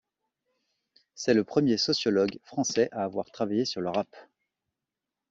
C’est le premier sociologue français à avoir travaillé sur le rap.